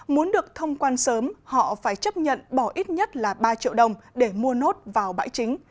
muốn được thông quan sớm họ phải chấp nhận bỏ ít nhất là ba triệu đồng để mua nốt vào bãi chính